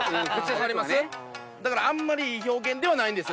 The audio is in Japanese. だからあんまりいい表現ではないんです